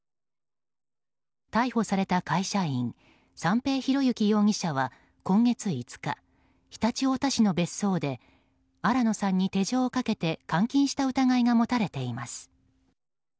逮捕された会社員三瓶博幸容疑者は今月５日、常陸太田市の別荘で新野さんに手錠をかけて監禁した疑いが持たれています。